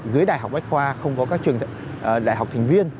dưới đại học bách khoa không có các trường đại học thành viên